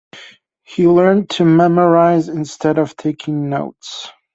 He learned to memorize instead of taking notes.